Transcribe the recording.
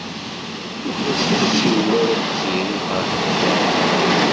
Ur as-tessiwel ara Tiziri i Ferḥat n At Ɛebbas.